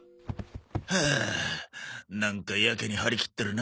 はあなんかやけに張り切ってるな。